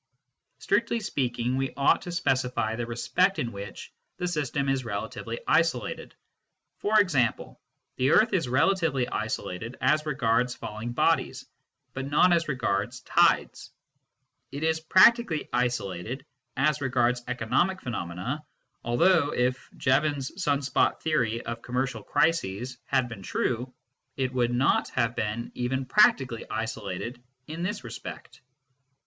Strictly speaking, we ought to specify the respect in which the system is relatively isolated. For example, the earth is relatively isolated as regards falling bodies, but not as regards tides ; it is practically isolated as regards economic phenomena, although, if Jevons sun spot theory of commercial crises had been true, it would not have been even practically isolated in this respect.